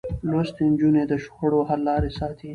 لوستې نجونې د شخړو حل لارې ساتي.